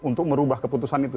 untuk merubah keputusan itu